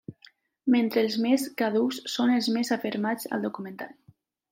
Mentre els més caducs són els més afermats al documental.